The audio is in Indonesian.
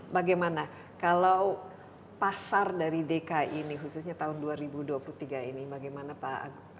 bagaimana kalau pasar dari dki ini khususnya tahun dua ribu dua puluh tiga ini bagaimana pak agus